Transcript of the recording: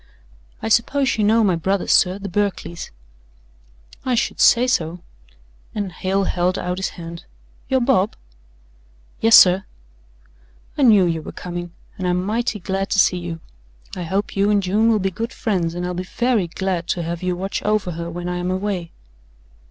"I suppose you know my brothers, sir, the Berkleys." "I should say so," and Hale held out his hand. "You're Bob?" "Yes, sir." "I knew you were coming, and I'm mighty glad to see you. I hope you and June will be good friends and I'll be very glad to have you watch over her when I'm away."